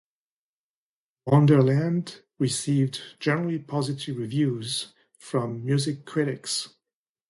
"Wanderland" received generally positive reviews from music critics.